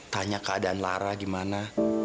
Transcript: tanya keadaan lara gimana